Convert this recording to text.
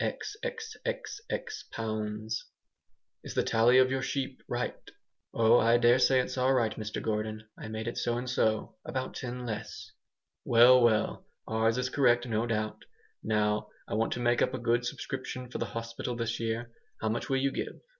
xxxx pounds "Is the tally of your sheep right?" "Oh! I daresay it's all right, Mr Gordon, I made it so and so; about ten less." "Well, well! Ours is correct, no doubt. Now I want to make up a good subscription for the hospital this year. How much will you give?